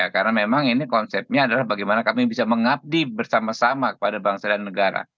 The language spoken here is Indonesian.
karena memang ini konsepnya adalah bagaimana kami bisa mengabdi bersama sama kepada bangsa dan negara